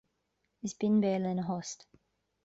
Is binn béal ina thost